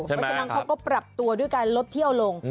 เพราะฉะนั้นเขาก็ปรับตัวด้วยการลดเที่ยวลง